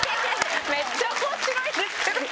めっちゃ面白いんですけど。